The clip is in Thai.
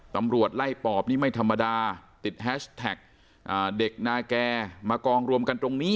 ตำรวจไล่ปอบนี่ไม่ธรรมดาติดแฮชแท็กเด็กนาแก่มากองรวมกันตรงนี้